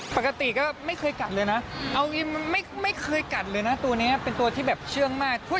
ปกติก็ไม่เคยกัดเลยนะเอาจริงไม่เคยกัดเลยนะตัวนี้เป็นตัวที่แบบเชื่องมาก